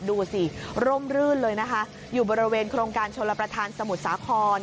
ดูสิร่มรื่นเลยนะคะอยู่บริเวณโครงการชลประธานสมุทรสาคร